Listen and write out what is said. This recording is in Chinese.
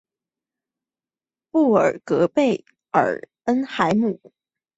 布尔格贝尔恩海姆是德国巴伐利亚州的一个市镇。